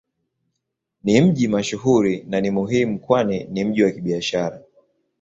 Ni mji mashuhuri na ni muhimu kwani ni mji wa Kibiashara.